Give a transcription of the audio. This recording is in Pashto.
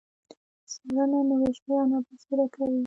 څیړنه نوي شیان رابرسیره کوي